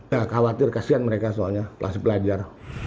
saya khawatir kasian mereka soalnya pelajar pelajar